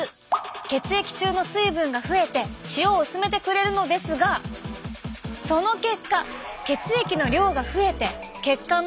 血液中の水分が増えて塩を薄めてくれるのですがその結果血液の量が増えて血管の壁にかかる圧力が高まります。